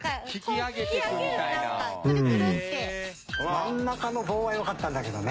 真ん中の棒はよかったんだけどね。